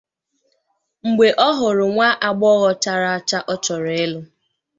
mgbe ọ hụrụ nwa agbọghọ chara acha ọ chọrọ ịlụ